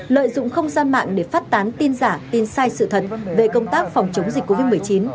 lợi dụng không gian mạng để phát tán tin giả tin sai sự thật về công tác phòng chống dịch covid một mươi chín